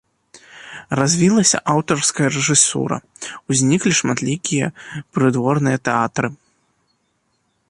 Развілася аўтарская рэжысура, узніклі шматлікія прыдворныя тэатры.